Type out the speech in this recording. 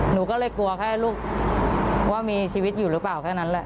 หนูก็เลยกลัวแค่ลูกว่ามีชีวิตอยู่หรือเปล่าแค่นั้นแหละ